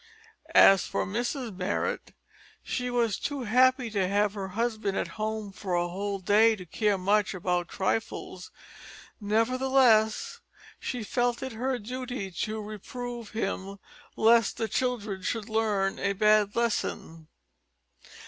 As for Mrs Marrot, she was too happy to have her husband at home for a whole day to care much about trifles, nevertheless she felt it her duty to reprove him, lest the children should learn a bad lesson.